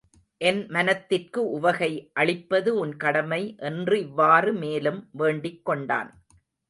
என் மனத்திற்கு உவகை அளிப்பது உன் கடமை என்றிவ்வாறு மேலும் வேண்டிக் கொண்டான்.